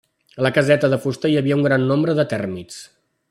A la caseta de fusta hi havia un gran nombre de tèrmits.